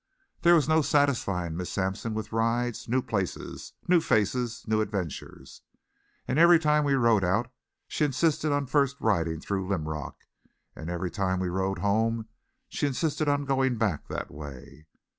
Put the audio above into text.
There was no satisfying Miss Sampson with rides, new places, new faces, new adventures. And every time we rode out she insisted on first riding through Linrock; and every time we rode home she insisted on going back that way.